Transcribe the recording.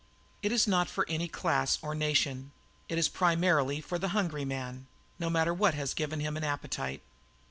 It is not for any class or nation; it is primarily for "the hungry man," no matter what has given him an appetite.